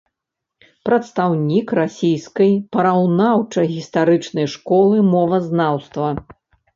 Прадстаўнік расійскай параўнаўча-гістарычнай школы мовазнаўства.